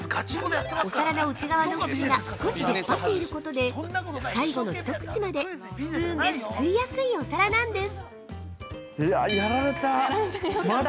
お皿の内側の縁が少し出っ張っていることで、最後のひと口までスプーンですくいやすいお皿なんです。